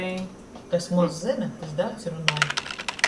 Kas moz zyna, tys daudz runuoj.